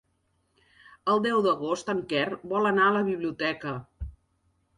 El deu d'agost en Quer vol anar a la biblioteca.